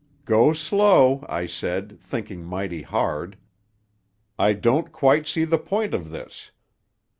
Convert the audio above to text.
"'Go slow,' I said, thinking mighty hard. 'I don't quite see the point of this.